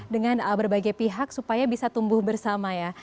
dengan berbagai pihak supaya bisa tumbuh bersama ya